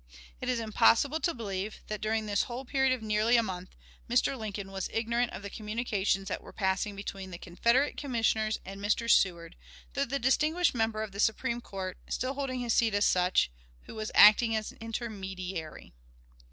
It is impossible to believe that, during this whole period of nearly a month, Mr. Lincoln was ignorant of the communications that were passing between the Confederate Commissioners and Mr. Seward, through the distinguished member of the Supreme Court still holding his seat as such who was acting as intermediary.